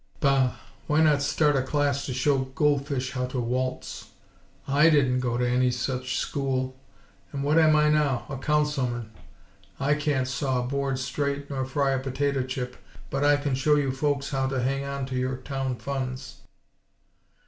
"Bah! Why not start a class to show goldfish how to waltz! I didn't go to any such school; and what am I now? A Councilman! I can't saw a board straight, nor fry a potato chip; but I can show you folks how to hang onto your town funds."